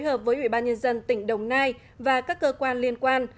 hợp với ủy ban nhân dân tỉnh đồng nai và các cơ quan liên quan